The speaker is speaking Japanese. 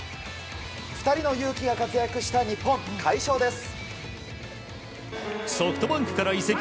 ２人のユウキが活躍した日本快勝です。